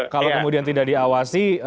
kalau kemudian tidak diawasi